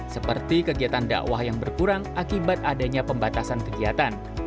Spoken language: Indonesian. seperti kegiatan dakwah yang berkurang akibat adanya pembatasan kegiatan